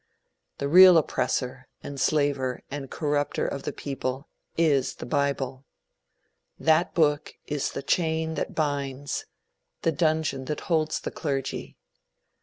The real oppressor, enslaver and corrupter of the people is the bible. That book is the chain that binds, the dungeon that holds the clergy.